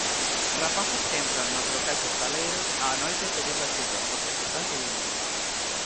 Rapazas que entran nos locais hostaleiros á noite pedindo axuda, porque as están seguindo.